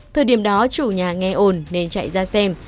thời điểm đó chủ nhà nghe ồn nên chạy ra xem